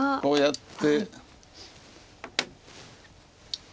こうやって。